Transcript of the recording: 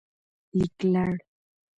لیکلړ